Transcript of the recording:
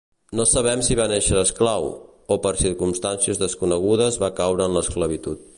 No sabem si va néixer esclau, o per circumstàncies desconegudes va caure en l'esclavitud.